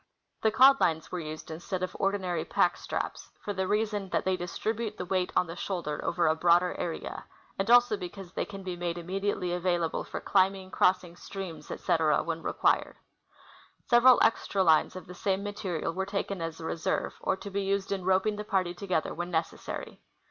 The cod lines were used instead of ordinary pack straps, for the reason that they dis tribute the weight on the shoulder over a lu'oader area, and also because they can be made immediately availal:»le for climbing, crossing streams, etc., when required. Several extra lines of the same material were also taken as a reserve, or to be used in roping the party together when necessary.